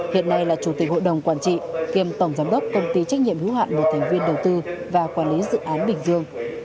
hiện nay là chủ tịch hội đồng quản trị kiêm tổng giám đốc công ty trách nhiệm hữu hạn một thành viên đầu tư và quản lý dự án bình dương